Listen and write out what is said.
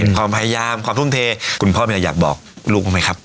เห็นความพยายามความทุ่มเทคุณพ่อมีอะไรอยากบอกลูกมั้ยครับ